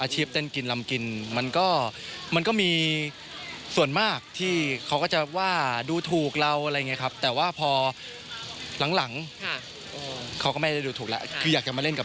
อาชีพเต้นกินลำกินมันก็มีส่วนมากที่เขาก็จะว่าดูถูกเราอะไรอย่างนี้ครับ